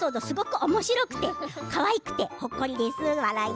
すごくおもしろくてかわいくて、ほっこりです。